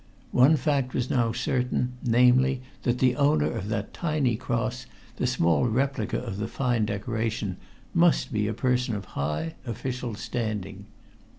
One fact was now certain, namely, that the owner of that tiny cross, the small replica of the fine decoration, must be a person of high official standing.